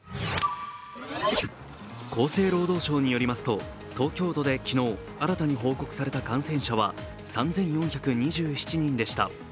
厚生労働省によりますと東京都で昨日新たに報告された感染者は３４２７人でした。